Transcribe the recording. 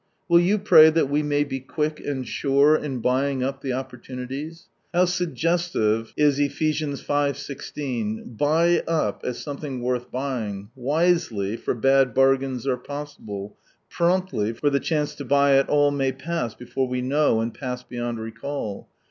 Will you pray that we may be quick and sure in buying up the opportunities ? How suggestive that R.V. mar. is of Eph. v. i6. Buy up, as something worth buying. Wisely, for bad bargains are possible ; promptly, for the chance to buy at all may pass before we know, and pass beyond recall.